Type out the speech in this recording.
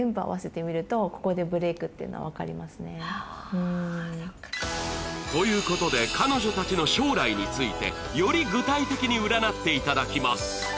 うんねっということで彼女達の将来についてより具体的に占っていただきます